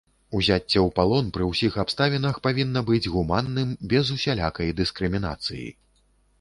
Узяцце ў палон пры ўсіх абставінах павінна быць гуманным, без усялякай дыскрымінацыі.